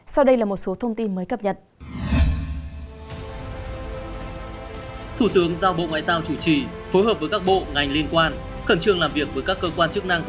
sau đây là một số thông tin mới cập nhật